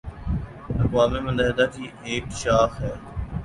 اقوام متحدہ کی ایک شاخ ہے